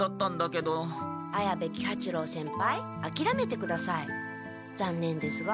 綾部喜八郎先輩あきらめてくださいざんねんですが。